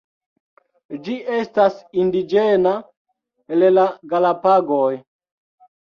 Ĝi estas indiĝena el la Galapagoj.